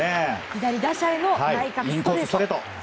左打者への内角と。